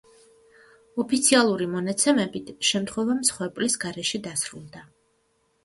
ოფიციალური მონაცემებით შემთხვევა მსხვერპლის გარეშე დასრულდა.